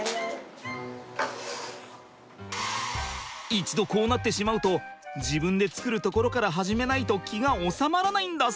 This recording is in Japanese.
一度こうなってしまうと自分で作るところから始めないと気が収まらないんだそう。